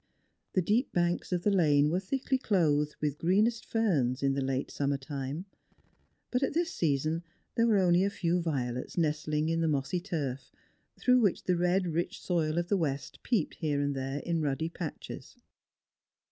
The deep banks of the lane were thickly clothed with greenest ferns in the late summer time ; but at this season there were only a few violets nestling in the mOtl^y tnrf, through which the red rich soil of the West peeped here and there in ruddy patches.